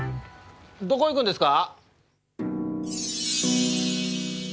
どこ行くんですか？